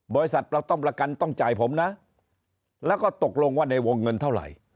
บริษัทเราต้องประกันต้องจ่ายผมนะแล้วก็ตกลงว่าในวงเงินเท่าไหร่